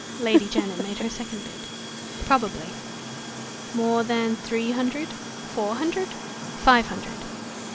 Lady Janet made her second bid. "Probably." "More than three hundred? Four hundred? Five hundred?"